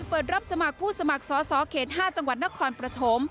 เปิดรับสมัครผู้สมัครสอสอเขต๕จังหวัดนครปฐม